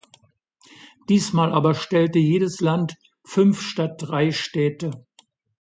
Diesmal aber stellte jedes Land fünf statt drei Städte.